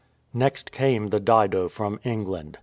Next came the Dido from England.